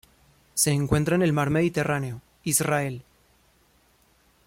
Se encuentra en el Mar Mediterráneo: Israel.